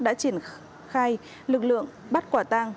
đã triển khai lực lượng bắt quả tang